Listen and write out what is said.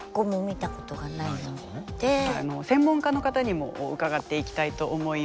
専門家の方にも伺っていきたいと思います。